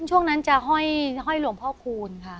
ช่วงนั้นจะห้อยหลวงพ่อคูณค่ะ